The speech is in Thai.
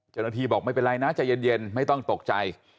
เจ้าหน้าที่บอกไม่เป็นไรนะใจเย็นไม่ต้องตกใจ